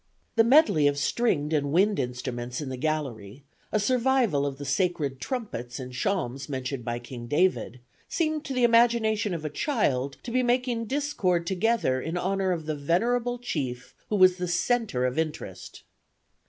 The medley of stringed and wind instruments in the gallery a survival of the sacred trumpets and shawms mentioned by King David seemed to the imagination of a child to be making discord together in honor of the venerable chief who was the centre of interest."